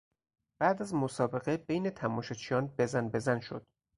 بعد از مسابقه بین تماشاچیان بزنبزن شد.